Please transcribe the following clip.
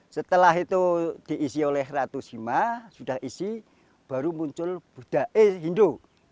setelah itu diisi oleh ratu sima sudah isi baru muncul budaya hindu